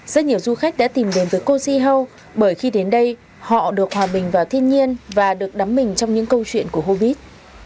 rất nhiều du khách đã tìm đến với cô zihau bởi khi đến đây họ được hòa bình vào thiên nhiên và được đắm mình trong những câu chuyện của hobbit